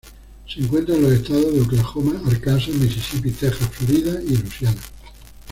Se encuentra en los estados de Oklahoma, Arkansas, Mississippi, Texas, Florida y Luisiana.